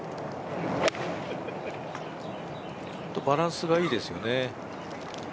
バランスがいいですよね。